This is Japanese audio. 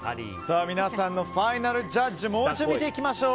皆さんのファイナルジャッジもう一度見ていきましょう。